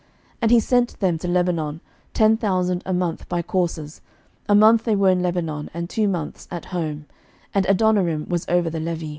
11:005:014 And he sent them to Lebanon, ten thousand a month by courses: a month they were in Lebanon, and two months at home: and Adoniram was over the levy.